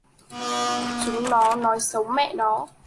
Chúng nó nói xấu mẹ đó